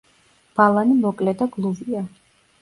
ბალანი მოკლე და გლუვია.